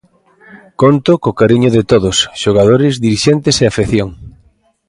Conto co cariño de todos, xogadores, dirixentes e afección.